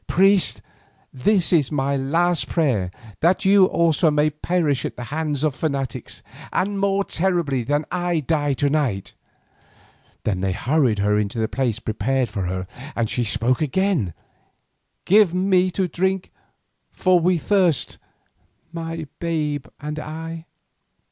"Priest, this is my last prayer, that you also may perish at the hands of fanatics, and more terribly than I die to night." Then they hurried her into the place prepared for her and she spoke again: "Give me to drink, for we thirst, my babe and I!"